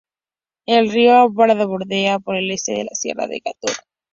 El río Adra bordea por el oeste la sierra de Gádor.